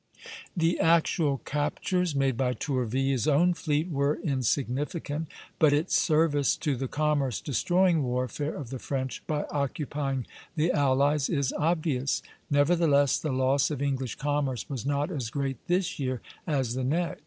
The actual captures made by Tourville's own fleet were insignificant, but its service to the commerce destroying warfare of the French, by occupying the allies, is obvious; nevertheless, the loss of English commerce was not as great this year as the next.